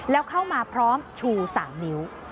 แล้วเข้ามาพร้อมชู๓นิ้ว